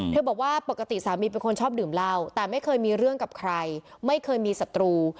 บอกว่าปกติสามีเป็นคนชอบดื่มเหล้าแต่ไม่เคยมีเรื่องกับใครไม่เคยมีศัตรู